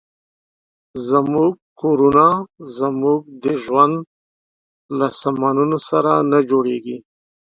زموږ کورونه زموږ د ژوند له سامانونو سره نه جوړېږي.